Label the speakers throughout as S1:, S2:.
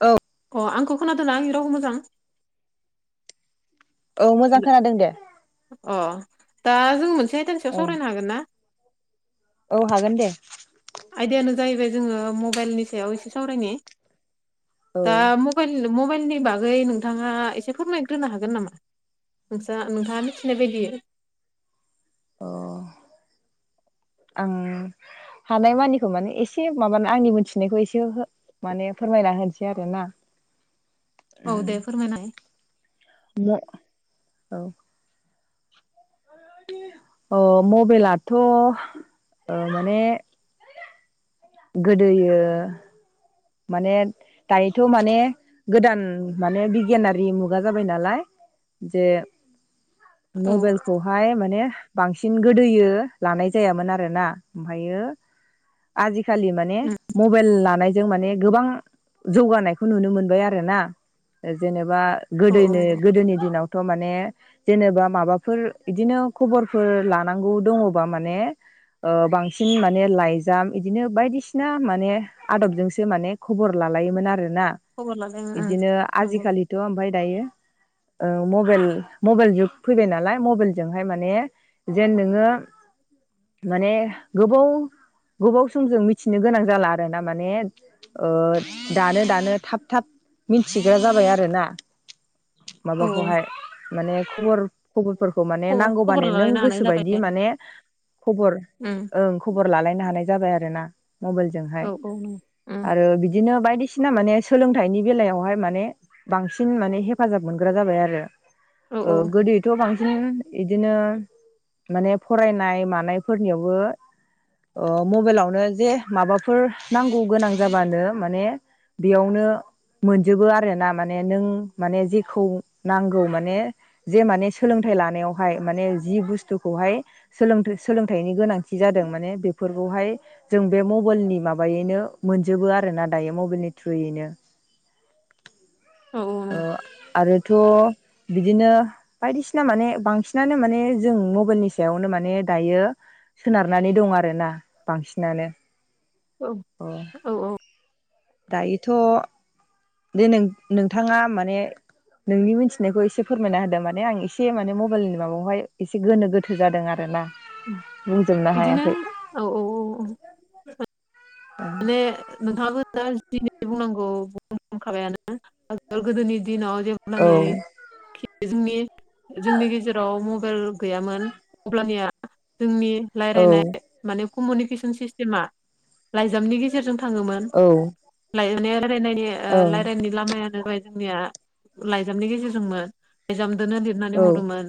S1: औ
S2: अ आंखौ खोनादों ना‌ आंनि रावखौ मोजां
S1: औ मोजां खोनादों दे
S2: अ दा जों मोनसे आयदानि सायाव
S1: औ
S2: सावरायनो हागोन ना
S1: औ हागोन दे
S2: आयदायानो जाहैबाय जोङो मबाइलनि सायाव एसे सावरायनि
S1: औ
S2: दा मबाइलनि बागै नोंथाङा एसे फोरमायग्रोनो हागोन नामा नों नोंथाङा मिथिनाय बायदि
S1: ओ आं हानाय मानिखौ माने एसे माबानो आंनि मोनथिनायखौ एसे हो माने फोरमायना होनोसै आरो ना
S2: औ दे फोरमायनाय हो
S1: औ [unintelligible] अ मबाइलाथ' माने गोदोयो माने दायोथ' माने गोदान माने बिगियानारि मुगा जाबाय नालाय जे
S2: औ
S1: मबाइलखौ ओमहाय माने बांसिन गोदोयो लानाय जायामोन आरोना ओमफ्रायो आजिखालि माने
S2: उम
S1: मबाइल लानायजों माने गोबां जौगानायखौ नुनो मोनबाय आरो ना जेनेबा
S2: औ औ
S1: गोदोनि
S2: नंगौ
S1: गोदोनि दिनावथ' माने जेनेबा माबाफोर बिदिनो खबरफोर लानांगौ दङबा माने बांसिन माने लाइजाम बिदिनो बायदिसिना माने आदबजोंसो माने खबर लालायोमोन आरोना
S2: खबर लालाय ओं ओं
S1: बिदिनो
S2: नंगौ
S1: आजिखालिथ' ओमफ्राय दायो मबाइल मबाइल जुग फैबाय नालाय मबाइलजों हाय माने जेन नोङो माने गोबाव गोबाव समजों मिथिनो गोनां जाला आरो ना माने दानो दानो थाब थाब मिथिग्रा जाबाय आरोना
S2: औ औ
S1: माबाखौहाय माने खबर खबरफोरखौ माने
S2: खबर खबर
S1: नांगौबानो नों
S2: लालायनो हानाय जाबाय
S1: गोसोबायदि
S2: दे
S1: माने खबर
S2: उम
S1: ओं खबर लालायनो हानाय जाबाय आरो ना मबाइलजोंहाय
S2: औ औ नों
S1: आरो बिदिनो बायदिसिना बिसिना माने सोलोंथाइनि बेलायावहाय माने बांसिन माने हेफाजाब मोनग्रा जाबाय आरो।
S2: औ औ
S1: [unintelligible] थ' बांसिन बिदिनो माने फरायनाय मानायफोरनियावबो मबाइलावनो जे माबाफोर नांगौ गोनां जाबानो माने बेयावनो मोनजोबो आरो ना माने नों माने जेखौ नांगौ माने जे माने सोलोंथाइ लानायावहाय माने जि बुस्थुखौहाय। सोलोंथ सोलोंथाइनि गोनांथि जादों माने बेफोरखौहाय जों बे मबाइलनि माबायैनो मोनजोबो आरो ना दायो मबाइलनि थ्रुयैनो
S2: औ
S1: ओ
S2: नंगौ
S1: आरोथ' बिदिनो बायदिसिना माने बांसिनानो माने जों मबाइलनि सायावनो माने दायो। सोनारनानै दं आरो ना बांसिनानो
S2: औ।
S1: ओ
S2: औ औ।
S1: दायोथ' बेे जेरै नोंथाङा माने नोंनि मिथिनायखौ एसे फोरमायना होदों माने आं एसे माने मबाइलनि माबायावहाय एसे गोनो गोथो जादों आरो ना
S2: बिदिनो औ। माने नोंथाङाबो दा दि बुंनांगौ बुंखाबायानो गोदोनि दिनाव
S1: औ
S2: जेब्लानो बे जोंनि जोंनि गेजेराव मबाइल गैयामोन अब्लानिया
S1: औ
S2: रायज्लायनाय माने कमिउनिकेसन सिस्टेमा लाइजामनि गेजेरजों थाङोमोन
S1: औ ओं
S2: लायजानि रायनायनि
S1: औ
S2: रायलायनो। लामायानोाबाय जोंनिया लाइजामनि गेजेरजोंमोन। लाइजामजोंनो लिरनानै
S1: ओं
S2: हरोमोन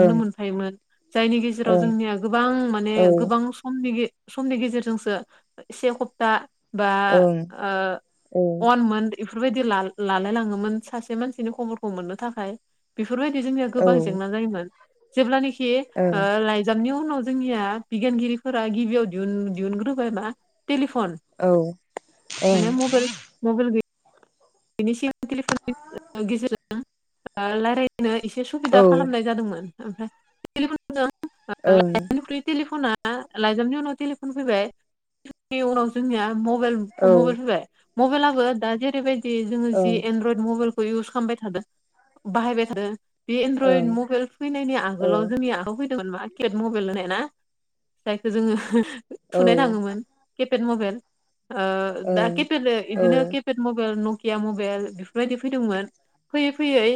S1: ओं
S2: मोनफायोमोन। जायनि गेजेराव जोंनिया गोबां माने
S1: औ ओं
S2: गोबां समनि समनि गेजेरजोंसो ओ से सप्ता बा
S1: औ ओं
S2: ओ अनमोन इफोरबायदि लालाय लाङोमोन सासे मानसिनि खबरखौ मोननो थाखाय। बेफोरबायदि जोंनिया
S1: औ ओं औ
S2: गोबां जेंना जायोमोन जेब्लानखि ओ लाइजामनि उनाव जोंनिया बिगियानगिरिफोरा गिबियाव दिह दिहुनग्रोबाय मा टेलिफन
S1: ओं औ ओं
S2: आरो मबाइल मबाइल बेनि सिगां लिफन गेजेर रायजलायनो एसे सुबिदा खालामनाय जादोंमोन ओमफ्राय। [unintelligible] लाइजामनि उनाव टेलिफन फैबायनि उनाव जोंनिया मबाइल
S1: ओं
S2: मबाइल फैबाय मबाइलाबो दा जेरैबायदि जोङो जि एनड्रयद मबाइल ओ इउस खालामबाय थादों बाहायबाय थादों। बे एनड्रइड मबाइल फैनायनि
S1: औ
S2: आगोलाव
S1: ओं
S2: जोंनि आखुखौ फ माकिट मबाइल होनाय ना जायखौ जोङो
S1: औ ओं औ
S2: थुनाय थाङोमोन। केपेड मबाइल दा
S1: ओं
S2: केपेड बिदिनो केपेड मबाइल न मबाइल बेफोरबायदि फैदोंमोन फैयै फैयै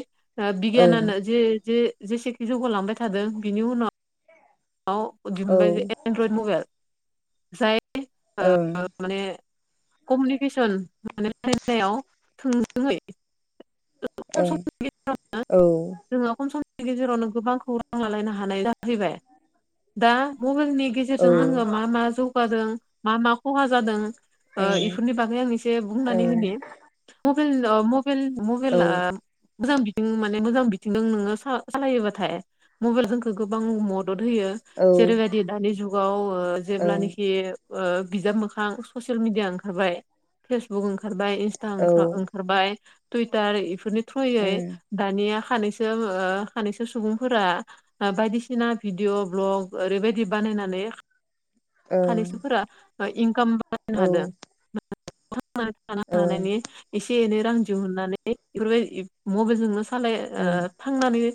S2: बिगियानानो जे जे जेसेखि जौगालांबाय थादों बिनि उनाव। औदि मोनबाय एनड्रइद मबाइल जाय
S1: ओं
S2: माने कमिउनिकेसन माने रायनायाव थोंजोङै। खम
S1: ओ
S2: समनि
S1: औ
S2: जोङो खम समनि गेजेरावनो गोबां खौरां लालायनो हानाय जाहैबाय दा मबाइलनि गेजेर
S1: औ
S2: गेजेरजों
S1: औ
S2: जोङो मा मा जौगादों मा मा खहा जादों
S1: हेलौ
S2: इफोरनि बागै आं एसे बुंनानै होो मबाइल मबाइल मबाइला
S1: हेलौ
S2: मोजां बिथिं माने मोजां बिथिं द नोङो सालायोबाथाय मबाइल जोंखौ गोबां मदद होयो
S1: औ
S2: जेरैबायदि दानि जुगाव जेब्लानाखि बिजाब मोखां ससियेल मिडिया ओंखारबाय फेसबुक ओंखारबाय इन्स्टा हरबाय टुइटार इफोरनि थ्रुयै दानिया सानैसो सानैसो सुबुंफोरा बायदिसिना भिडिअ भ्लग ओरैबायदि बानायनानै सालसुफोरा इनकाम बानायनो हादों थ हानायनि एसे एनै रां दिहुननानै बेफोरबायदि मबाइलजोंोंनो सालाय थांनानै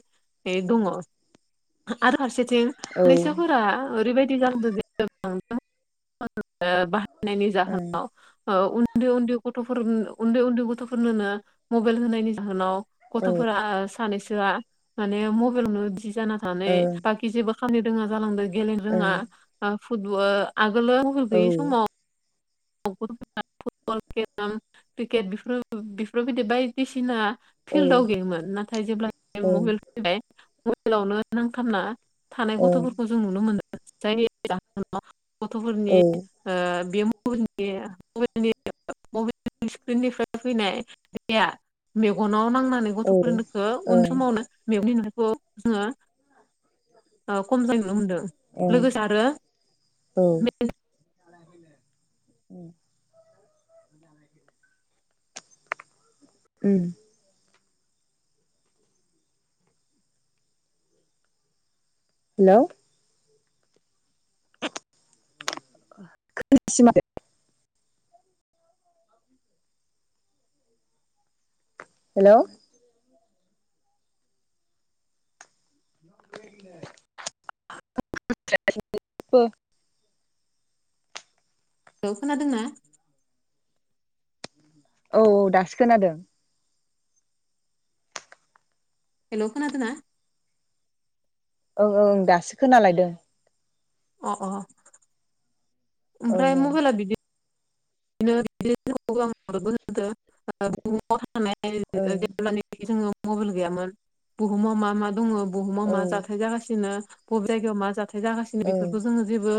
S2: दङ आरो फारसेथिं फैसाफोरा ओरैबायदि गानद बाहायनायनि जाहोनाव उन्दै उन्दै गथ'फोर उन्दै उन्दै गथ'फोरनोनो मबाइल होनायनि जाहोनाव गथ'फोरा सानैसोआ माने मबाइलावनो बि जाना थ ब खि जेबो खामानि रोङा जालांदों गेलेनो रोङा फुटबल आगोलो मबल गैयै समाव फुटब क्रिकेटफोर बेफोरबायदि बायदिसिना फिल्डआव गेयोमोन नाथाय जेब्ला मबाइल फैबाय मबाइलावनो नांथामना थानाय गथ'फोरखौ जों नुनो मोन जायो गथ'फोरनि बे [unintelligible] मेगनाव नांनानै गथ'फोरनिख उन समावनो मेगननिखौ जोङो खम जायनो होनदों लोगोसे आरो
S1: उम हेल' [unintelligible] हेल' [unintelligible]
S2: औ खोनादोंना
S1: औ औ दासो खोनादों
S2: हेल' खोनादोंनाा
S1: ओं ओं ओ दासो खोनालायदों
S2: अ अ ओमफ्राय
S1: ओं
S2: मबेला बिदि [unintelligible] जोङो
S1: ओं
S2: मबाइल गैयामोन बुहुमाव मा मा दङ बुहुमाव मा
S1: ओं
S2: जाथाय जागासिनो बबे जायगायाव मा जाथाय जागासिनो
S1: औ
S2: बेफोरखौ जोङो जेबो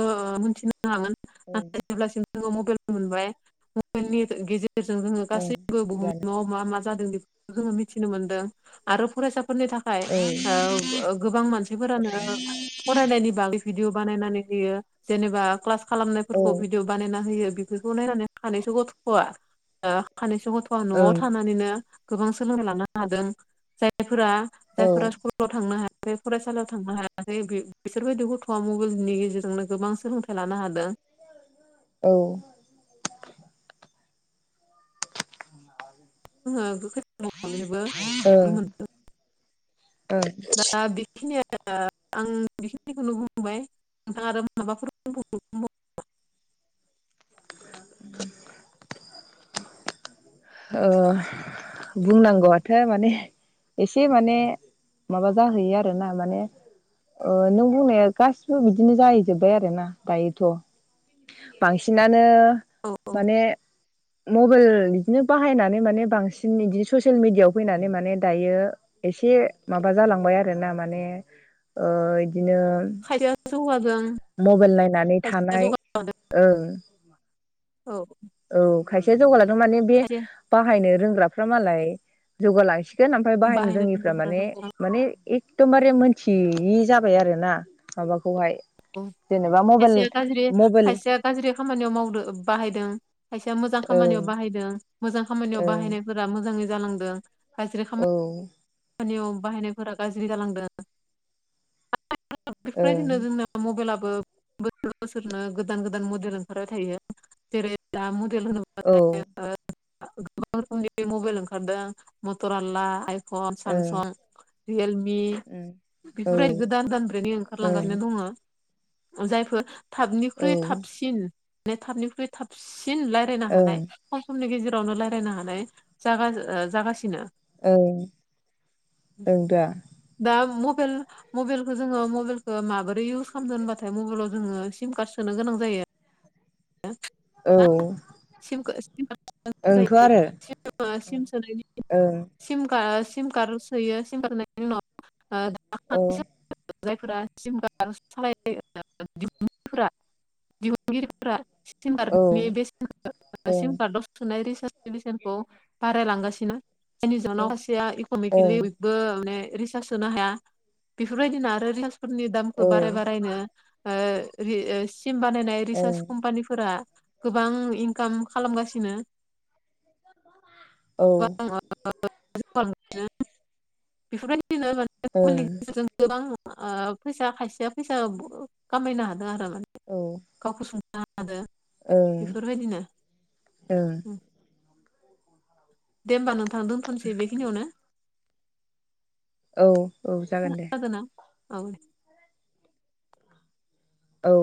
S2: मिथिनो हागोन
S1: ओं
S2: नाथाय जे मबाइ मोन मनि गेज ग जोङो
S1: ओं
S2: गासैबो
S1: थिगानो
S2: बुहुमाव मा मा जादों बे जोङो मिथिनो मोनदों आरो फरायसा फोरनि थाखाय गोबां मानसिफोरानो फरायनायनि बागै भिडिअ बानायनानै होयो जेनेबा क्लास
S1: औ
S2: खालामनायफोरखौ भिदििअ बानायना होयो बेफोरखौ नायनानै सानैसो गथ'आ सानैस गथ'
S1: औ
S2: न'आव
S1: ओं
S2: थानानैनो गोबां सोलोंना लानो हादों जायफोरा जाय
S1: औ
S2: साव थांनो हायाखै फरायसालियाव थांनो हायाखै बिसोरबायदि गथ'वआ मबाइलनि गेजेरजोंनो गोबां सोलोंथाइ लानो हादों
S1: औ [inaudible]
S2: जोङो खानोबो नुनो मोनदों
S1: औ
S2: दा बेखिनिया आं बेखिनिखौनो बुंबाय नोंथाङ आरो माबाफोर
S1: [inaudible] अ बुंनांगौआथो माने एसे माने माबा जाहैयो आरो ना माने नों बुंनाया गासिबो बिदिनो जाहैजोब्बाय आरो ना दायो' बांसिनानो
S2: औ
S1: माने मबाइल बिदिनो बाहायनानै माने बांसिन बिदिनो ससियेल मिेडियाआव फैनानै माने दायो। एसे माबा जालांबाय आरोना माने ओ इदिनो
S2: खायसेया जौगादों।
S1: मबाइल नायनानै
S2: खायसेया
S1: थानाय
S2: जौगादों
S1: ओं
S2: औ।
S1: औ खायसेया जौगाालांदों माने बे
S2: खायसे
S1: बाहायनो रोंग्राफ्रा मालाय जौगाालांसिगोन। थगोन ओमफ्राय बाहायनो रोङिफ्रा
S2: रोंग्राफोरा
S1: माने
S2: जौगादों
S1: माने एखदमबारे मोनथियि जाबाय आरो ना? माबाखौहाय
S2: औ
S1: जेनेबा मबाइल
S2: खायसेया गाज्रि
S1: मबाइल
S2: खायसेया गाज्रि खामानियाव मावग्रो मावदों बाहायदों खायसेया मोजां
S1: ओं
S2: खामानियाव बाहायदों मोजां खामानियाव
S1: ओं
S2: बाहायनायफोर मोङै जालांदों दा
S1: औ।
S2: बाहायनायफोरा गाज्रि जालांदों [unintelligible] मबाइलाबो बोसोर बोसोरनो गोदान गोदान मडेल ओंखारबाय थायो। जेरै दा मदेलनो
S1: औ।
S2: [unintelligible] मबाइल ओंखारदों मटर आलला आइफन फन
S1: ओं
S2: सामसं, रियेलमि बेफोर
S1: ओं
S2: गोदान दाननिफ्रायनो
S1: औ
S2: ओंखारलांगासिनो दङ। जायफोर थाबनिख्रुइ
S1: ओं औ
S2: थाबसिन म थाबनिख्रुइ थाबसिन लाइ रायायनो हानाय
S1: ओं
S2: खम समनि गेजेरावनो रायजलायनो हानाय जा जागासिनो।
S1: ओं ओं दा।
S2: दा मबल मबाइलखौ जोङो मबाइलखौ माबोरै इउस खालामदों होनबाथाय मबाइलाव जोङो सिम कार्ड सोनो गोनां जायो हो
S1: औ।
S2: [unintelligible] सिम
S1: ओंथ' आरो
S2: सोनायनि
S1: ओं
S2: सिम सिम कार सोयो सिम कात सोनायनि
S1: औ
S2: उनाव जायफोरा सिम [unintelligible] दिहुनगिरिफोरा दिहुनगिरि [unintelligible]
S1: औ
S2: सुनाय
S1: ओं
S2: रिर्चसनखौ बारायलांगासिनो जायनि जाहनाव
S1: ओं
S2: सासेया इक'नमिकेलि
S1: औ
S2: बो माने रिसार्च होनो हाया। बेफोरबायदिना आरो रिलसफोरनि दामखौ बाराय बारायनोि सिम बानायनाय। रिसार्च
S1: ओं
S2: कम्पानिफोरा गोबां इनकाम खालामगासिनो।
S1: औ
S2: [unintelligible] [unintelligible] बेफोरबायदिनो माने
S1: ओं
S2: गेजेरजों गोबां फैसा खायसेया फैसा खामायनो हादों आरो माने
S1: औ।
S2: गावखौ सोंना लादो
S1: औ ओं।
S2: दे होमबा नोंथां दोनथ'नोसै बेखिनियावनो।
S1: औ औ जागोन दे।
S2: खोनादोंना औ।
S1: औ।